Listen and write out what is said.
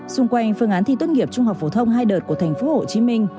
xung quanh phương án thi tốt nghiệp trung học phổ thông hai đợt của tp hcm